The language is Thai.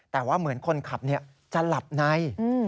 แต่ว่าเหมือนคนขับจะหลับใน